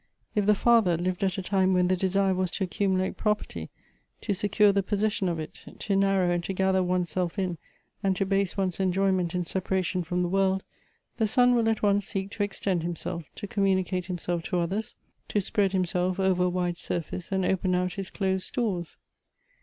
If the father lived at a time when the desire was to accumulate projierty, to secure the possession of it, to narrow and to gather one's self in, and to base one's enjoyment in separation from the world, the son will at once seek to extend himself, to communi cate himself to others, to spread himself over a wide sur face, and open put hia closed stores."